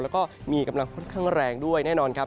แล้วก็มีกำลังค่อนข้างแรงด้วยแน่นอนครับ